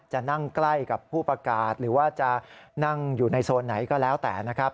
จะนั่งใกล้กับผู้ประกาศหรือว่าจะนั่งอยู่ในโซนไหนก็แล้วแต่นะครับ